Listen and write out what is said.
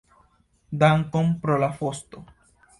Dankon pro la fosto.